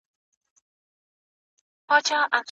اغزي مي له تڼاکو رباتونه تښتوي